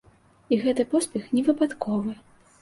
І гэты поспех невыпадковы.